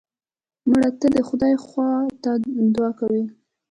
مړه ته د خدای خوا ته دعا کوو